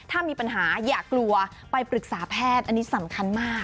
ถ้ามีปัญหาอย่ากลัวไปปรึกษาแพทย์อันนี้สำคัญมาก